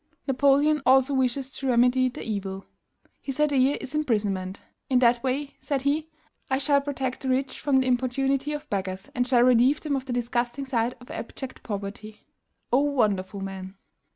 "Napoleon also wishes to remedy the evil: his idea is imprisonment. 'In that way,' said he, 'I shall protect the rich from the importunity of beggars, and shall relieve them of the disgusting sight of abject poverty.'" O wonderful man!